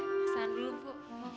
kesan dulu bu